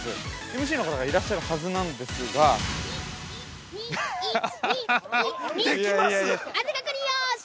ＭＣの方がいらっしゃるはずなんですが◆１・２、１・２安全確認よーし！